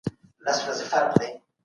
دا لاملونه په هر اقتصاد کي صدق نه کوي.